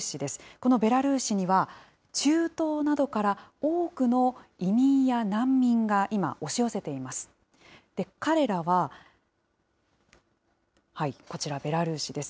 このベラルーシには、中東などから多くの移民や難民が今、押し寄せています。